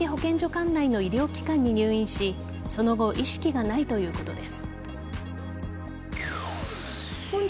管内の医療機関に入院しその後意識がないということです。